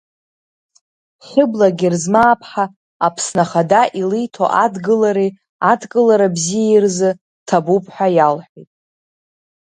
Хьыбла Герзмааԥҳа Аԥсны Ахада илиҭо адгылареи адкылара бзиеи рзы ҭабуп ҳәа иалҳәеит.